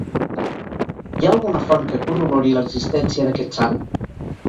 Hi ha alguna font que corrobori l'existència d'aquest sant?